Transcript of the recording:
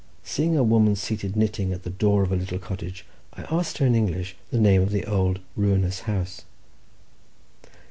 Seeing a woman seated knitting at the door of a little cottage, I asked her in English the name of the old ruinous house.